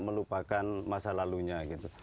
melupakan masa lalunya